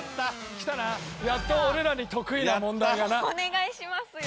きたなやっと俺らに得意な問題がな。お願いしますよ。